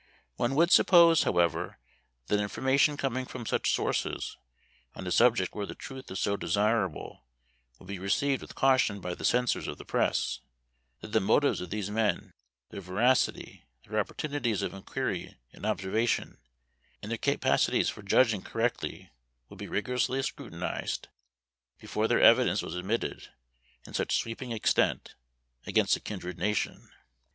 One would suppose, however, that information coming from such sources, on a subject where the truth is so desirable, would be received with caution by the censors of the press; that the motives of these men, their veracity, their opportunities of inquiry and observation, and their capacities for judging correctly, would be rigorously scrutinized, before their evidence was admitted, in such sweeping extent, against a kindred nation.